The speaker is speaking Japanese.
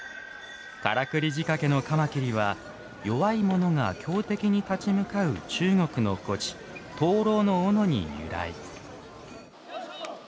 からくり仕掛けのカマキリは弱いものが、強敵に立ち向かう中国の故事「蟷螂の斧」に由来。